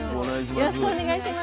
よろしくお願いします。